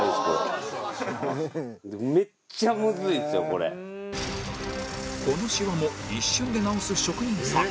このシワも一瞬で直す職人さん